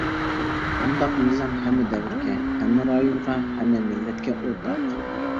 ئۇنداق مىزان ھەممە دەۋرگە، ھەممە رايونغا، ھەممە مىللەتكە ئورتاق.